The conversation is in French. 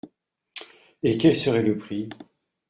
Et quel serait le prix ?